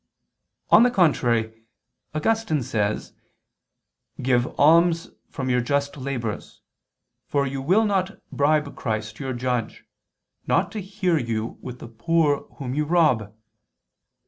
On the contrary, Augustine says (De Verb. Dom. xxxv, 2): "Give alms from your just labors. For you will not bribe Christ your judge, not to hear you with the poor whom you rob